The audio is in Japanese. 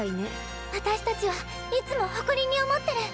私たちはいつも誇りに思ってる。